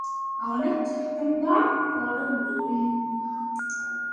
அவனச் சத்தந்தான் போட முடியும்.